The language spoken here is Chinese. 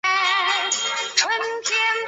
但这些尝试最初都不成功。